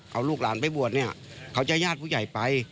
เอาลูกหลานไปบวชเขาจะให้ญาติผู้ใหญ่ไป